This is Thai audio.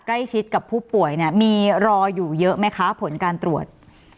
ใกล้ชิดกับผู้ป่วยเนี่ยมีรออยู่เยอะไหมคะผลการตรวจ